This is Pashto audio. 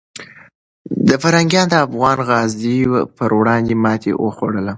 پرنګیان د افغان غازیو پر وړاندې ماتې وخوړله.